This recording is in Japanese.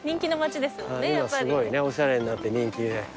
今すごいねおしゃれになって人気で。